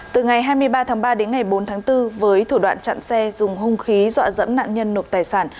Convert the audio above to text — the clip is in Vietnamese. từ ngày hai mươi ba tháng ba đến ngày bốn tháng bốn với thủ đoạn chặn xe dùng hung khí dọa dẫm nạn nhân nộp tài sản